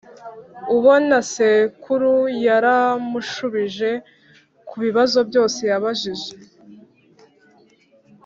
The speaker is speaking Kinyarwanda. Ubona sekuru yaramushubije ku bibazo byose yabajije